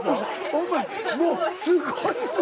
お前もうすごいぞ。